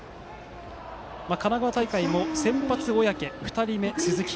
神奈川大会も先発、小宅２人目、鈴木。